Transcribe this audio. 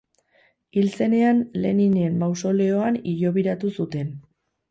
Hil zenean Leninen mausoleoan hilobiratu zuten.